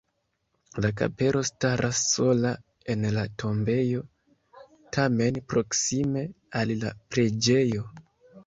La kapelo staras sola en la tombejo, tamen proksime al la preĝejo.